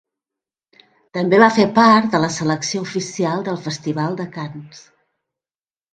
També va fer part de la selecció oficial del Festival de Canes.